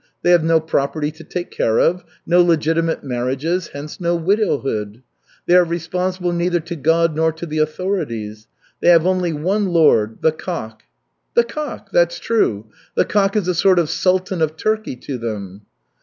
They have no property to take care of, no legitimate marriages, hence no widowhood. They are responsible neither to God nor to the authorities. They have only one lord the cock." "The cock! That's true. The cock is a sort of Sultan of Turkey to them."